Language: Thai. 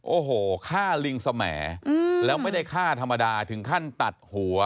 โอ้โหฆ่าลิงสมแหแล้วไม่ได้ฆ่าธรรมดาถึงขั้นตัดหัว